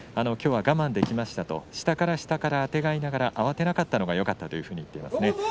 きょうは我慢できましたと下から下からあてがいながら慌てなかったのがよかったですと言っていました。